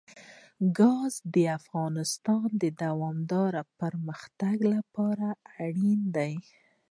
ګاز د افغانستان د دوامداره پرمختګ لپاره اړین دي.